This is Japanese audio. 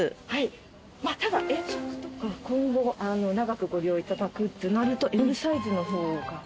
ただ遠足とか今後長くご利用いただくってなるとＭサイズの方が。